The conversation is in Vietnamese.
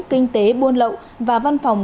kinh tế buôn lậu và văn phòng